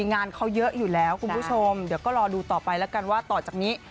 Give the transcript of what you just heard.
งานเขาเยอะอยู่แล้วคุณผู้ชมเดี๋ยวก็รอดูต่อไปแล้วกันว่าต่อจากนี้